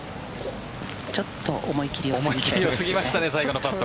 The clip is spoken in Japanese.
ちょっと思い切りよすぎましたね。